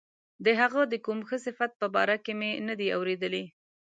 د هغه د کوم ښه صفت په باره کې مې نه دي اوریدلي.